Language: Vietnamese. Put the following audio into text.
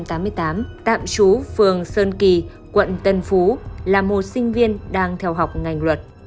tạm trú phường sơn kỳ quận tân phú là một sinh viên đang theo học ngành luật